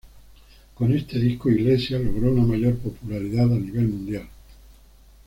Con este disco Iglesias logró una mayor popularidad a nivel mundial.